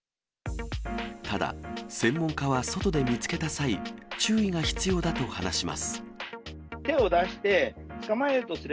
ただ、専門家は外で見つけた際、注意が必要だと話します。